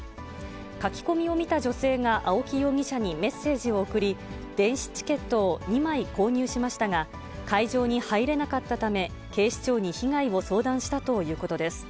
書き込みを見た女性が青木容疑者にメッセージを送り、電子チケットを２枚購入しましたが、会場に入れなかったため、警視庁に被害を相談したということです。